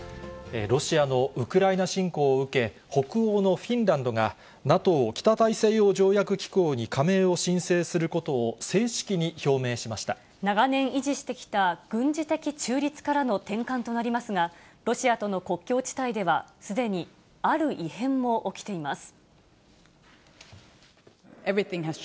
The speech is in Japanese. ロシアのウクライナ侵攻を受け、北欧のフィンランドが、ＮＡＴＯ・北大西洋条約機構に加盟を申請することを正式に表明し長年維持してきた軍事的中立からの転換となりますが、ロシアとの国境地帯では、すでにある異変も起きています。